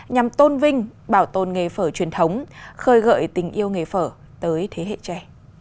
nhằm tôn vinh bảo tồn nghề phở truyền thống khơi gợi tình yêu nghề phở tới thế hệ trẻ